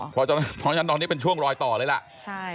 เพราะฉะนั้นตอนนี้เป็นช่วงรอยต่อเลยล่ะ